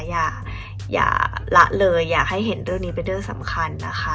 อย่าละเลยอยากให้เห็นเรื่องนี้เป็นเรื่องสำคัญนะคะ